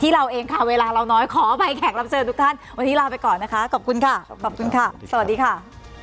เราน้อยขอไปแขกรับเจอทุกท่านวันนี้ลาไปก่อนนะคะขอบคุณค่ะขอบคุณค่ะสวัสดีค่ะ